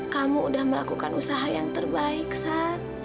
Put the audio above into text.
kamu udah melakukan usaha yang terbaik saat